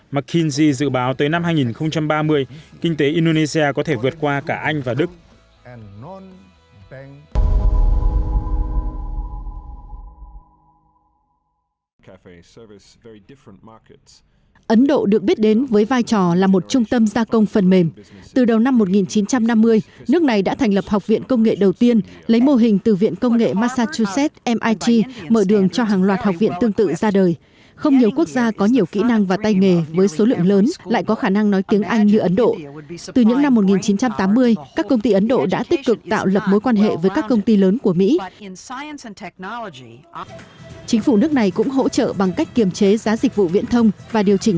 mckinsey dự báo tới năm hai nghìn ba mươi kinh tế indonesia có thể vượt qua cả anh và đức